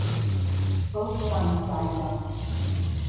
Both sons died young.